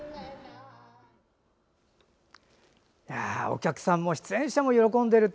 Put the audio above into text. お客さんも出演者も喜んでいる。